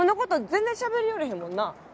全然しゃべりよれへんもんな。